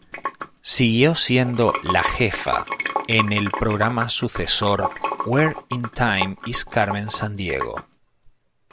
Siguió siendo "La Jefa" en el programa sucesor "Where in Time is Carmen Sandiego?